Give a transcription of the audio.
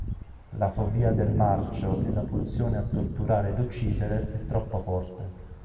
La fobia del marcio e la pulsione a torturare ed uccidere è troppo forte.